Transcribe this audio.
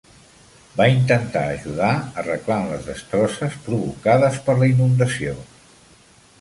Va intentar ajudar arreglant les destrosses provocades per la inundació.